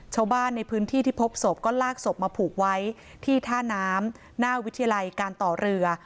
ชาวบ้านในพื้นที่ที่พบศพก็ลากศพมาผูกไว้ที่ท่าน้ำหน้าวิทยาลัยการต่อเรือ